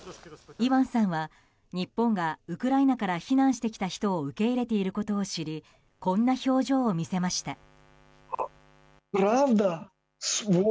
イワンさんは日本がウクライナから避難してきた人を受け入れていることを知りこんな表情を見せました。